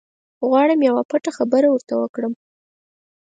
غواړم یوه پټه خبره ورته وکړم.